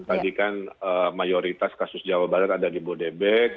karena mayoritas kasus jawa barat ada di bodebek